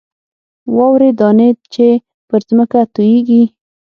واورې دانې چې پر ځمکه تویېږي.